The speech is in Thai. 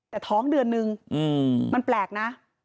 แต่ท้องเดือนนึงมันแปลกนะ